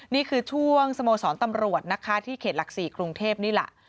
นี่คือช่วงสโมสรตำรวจนะคะที่เขตหลัก๔กรุงเทพนี่แหละ